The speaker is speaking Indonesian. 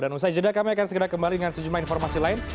dan usai jeda kami akan segera kembali dengan sejumlah informasi lain